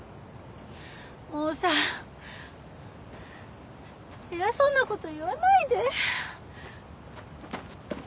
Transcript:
もうさ偉そうなこと言わないで。